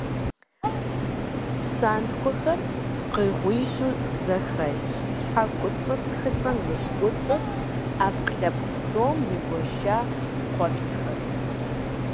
Псантхуэхэр пкъыгъуищу зэхэлъщ: щхьэкуцӏыр, тхыцӏэм илъ куцӏыр, ӏэпкълъэпкъ псом игуэша къуэпсхэр.